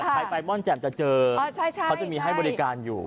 คนไปม่อนแจ่มจะเจอพวกเขามีบริการอยู่